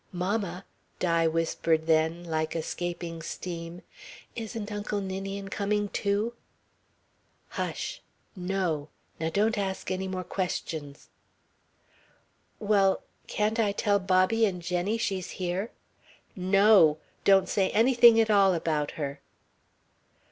"Mamma," Di whispered then, like escaping steam, "isn't Uncle Ninian coming too?" "Hush. No. Now don't ask any more questions." "Well, can't I tell Bobby and Jenny she's here?" "No. Don't say anything at all about her."